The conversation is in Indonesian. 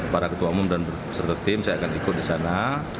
para ketua umum dan berserta tim saya akan ikut di sana